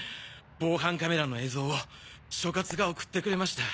防犯カメラの映像を所轄が送ってくれました。